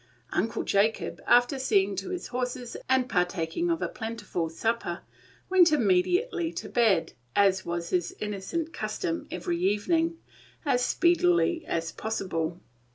Uncle Jacob, after seeing to his horses, and partaking of a plentiful supper, went immediately to bed, as was his innocent custom every evening, as speedily as possible.